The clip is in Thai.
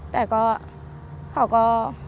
แต่ก็เขาก็